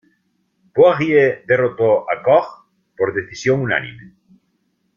Poirier derrotó a Koch por decisión unánime.